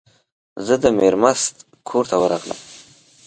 زه د میرمست کور ته ورغلم.